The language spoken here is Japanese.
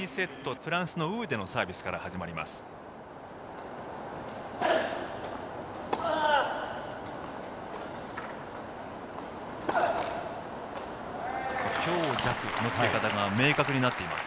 フランスのウーデのサービスから始まります。